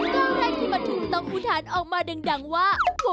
ก้าวแรกที่มันถูกต้องอุทานออกมาดังว่า